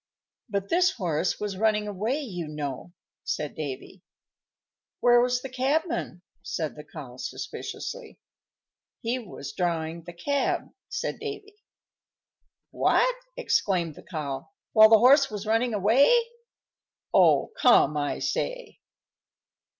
"But this horse was running away, you know," said Davy. "Where was the cabman?" said the Cow, suspiciously. "He was drawing the cab," said Davy. "What!" exclaimed the Cow, "while the horse was running away? Oh, come, I say!"